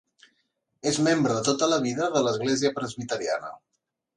És membre de tota la vida de l'Església Presbiteriana.